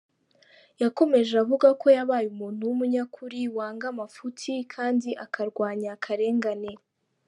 Yakomeje avuga ko yabaye ‘umuntu w’umunyakuri, wanga amafuti kandi akarwanya akarengane.